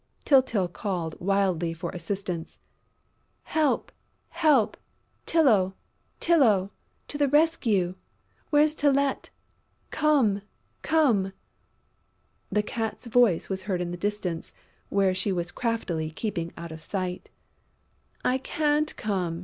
Tyltyl called wildly for assistance: "Help! Help!... Tylô! Tylô!... To the rescue!... Where is Tylette?... Come! Come!..." The Cat's voice was heard in the distance, where she was craftily keeping out of sight: "I can't come!"